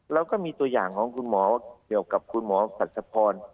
แล้วก็มีตัวอย่างของคุณหมอเกี่ยวกับคุณหมอปรัชพร